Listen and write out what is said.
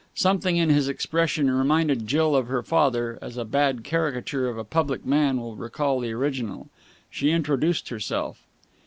Something in his expression reminded Jill of her father, as a bad caricature of a public man will recall the original. She introduced herself.